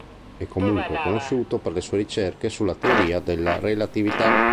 È comunque conosciuto per le sue ricerche sulla teoria della relatività.